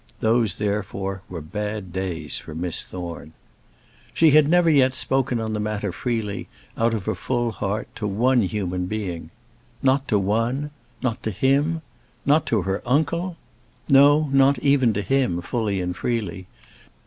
Those, therefore, were bad days for Miss Thorne. She had never yet spoken on the matter freely, out of her full heart to one human being. Not to one? Not to him? Not to her uncle? No, not even to him, fully and freely.